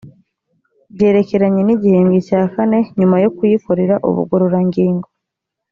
byerekeranye n igihembwe cya kane nyuma yo kuyikorera ubugororangingo